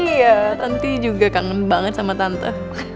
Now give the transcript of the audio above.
iya tante juga kangen banget sama tante